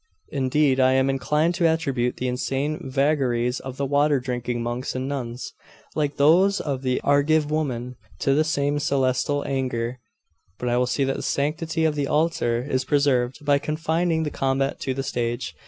Indeed, I am inclined to attribute the insane vagaries of the water drinking monks and nuns, like those of the Argive women, to the same celestial anger. But I will see that the sanctity of the altar is preserved, by confining the combat to the stage.